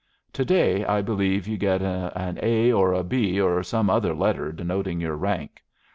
To day I believe you get an A, or a B, or some other letter denoting your rank.